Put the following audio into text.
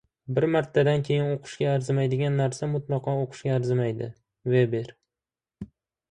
Bir martadan keyin o‘qishga arzimaydigan narsa mutlaqo o‘qishga arzimaydi. Veber